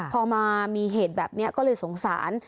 พอมามีเหตุแบบนี้ก็เลยสงสาร